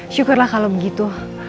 syukurlah kalo begitu